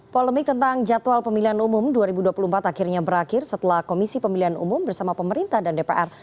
polemik tentang jadwal pemilihan umum dua ribu dua puluh empat akhirnya berakhir setelah komisi pemilihan umum bersama pemerintah dan dpr